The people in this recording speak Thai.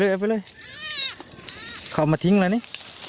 เค้าเอามาทิ้งแหละนี่